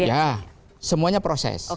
ya semuanya proses